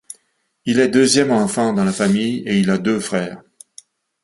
Il est deuxième enfant dans la famille et il a deux frères.